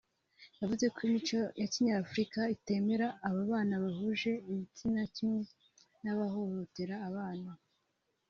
yavuze ko imico ya kinyafurika itemera ababana bahuje ibitsina kimwe n’abahohotera abana